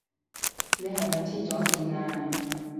你係咪痴咗線啊？